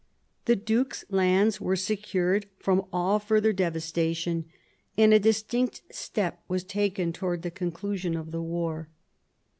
The duke's lands were secured from all further devastation, and a distinct step was taken towards the conclusion of the war.